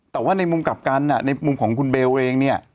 แต่ว่าในมุมกลับกันในมุมของคุณเบลเองเนี่ย